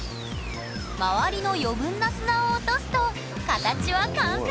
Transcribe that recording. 周りの余分な砂を落とすと形は完成！